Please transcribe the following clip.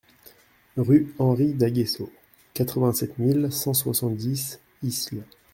Rue Henri d'Aguesseau, quatre-vingt-sept mille cent soixante-dix Isle